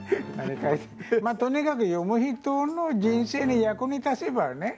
とにかく読む人の人生に役に立てばね。